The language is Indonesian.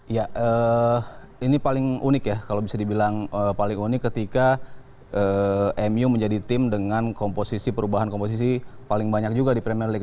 ya ini paling unik ya kalau bisa dibilang paling unik ketika mu menjadi tim dengan komposisi perubahan komposisi paling banyak juga di premier leagu